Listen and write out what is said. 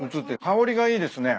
香りがいいですね。